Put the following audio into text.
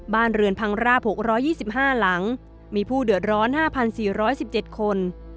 บ้านเรือนพังราบ๖๒๕หลังมีผู้เดือดร้อน๕๔๑๗คน